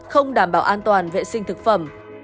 không đảm bảo an toàn vệ sinh thực phẩm